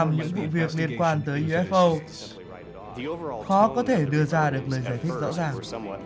nhưng còn đó khoảng một mươi những vụ việc liên quan tới ufo khó có thể đưa ra được lời giải thích rõ ràng